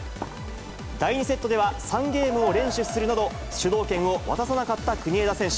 第２セットでは３ゲームを連取するなど、主導権を渡さなかった国枝選手。